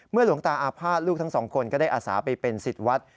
หลวงตาอาภาษณ์ลูกทั้งสองคนก็ได้อาสาไปเป็นสิทธิ์วัด